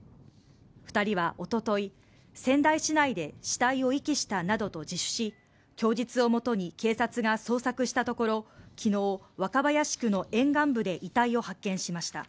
２人はおととい、仙台市内で死体を遺棄したなどと自首し供述をもとに警察が警察が捜索したところ昨日、若林区の沿岸部で遺体を発見しました。